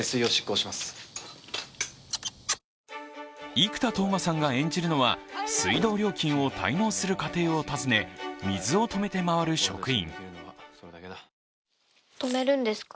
生田斗真さんが演じるのは水道料金を滞納する家庭を訪ね、水を止めて回る職員。